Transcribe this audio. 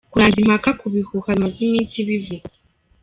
kurangiza impaka ku bihuha bimaze iminsi bivugwa.